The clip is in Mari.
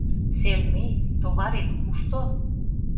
Селмей, товарет кушто?